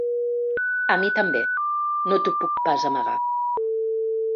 A mi també, no t’ho puc pas amagar.